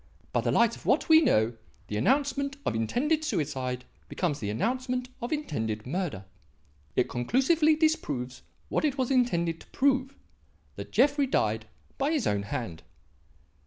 By the light of what we know, the announcement of intended suicide becomes the announcement of intended murder. It conclusively disproves what it was intended to prove; that Jeffrey died by his own hand."